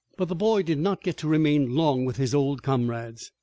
But the boy did not get to remain long with his old comrades.